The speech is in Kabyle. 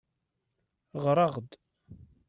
Ɣeṛ-aɣ-d.